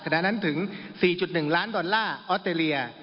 ขณะนั้นถึง๔๑ล้านดอลลาร์ออสเตรเลีย